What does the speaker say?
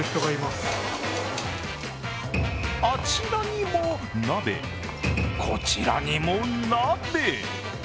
あちらにも鍋、こちらにも鍋。